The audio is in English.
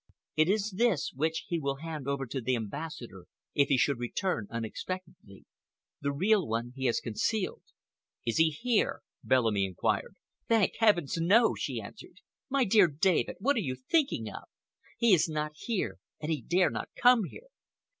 It is this which he will hand over to the Ambassador if he should return unexpectedly. The real one he has concealed." "Is he here?" Bellamy inquired. "Thank Heavens, no!" she answered. "My dear David, what are you thinking of? He is not here and he dare not come here.